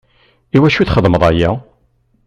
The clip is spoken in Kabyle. I wacu i txedmeḍ aya?